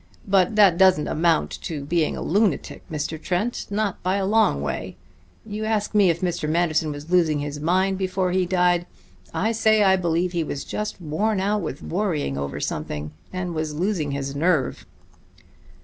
But that doesn't amount to being a lunatic, Mr. Trent; not by a long way. You ask me if Manderson was losing his mind before he died. I say I believe he was just worn out with worrying over something, and was losing his nerve."